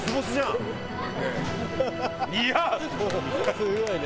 すごいね。